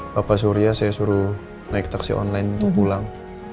bapak surya saya suruh naik taksi online untuk pulang